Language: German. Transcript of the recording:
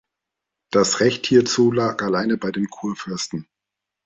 Das Recht hierzu lag alleine bei den Kurfürsten.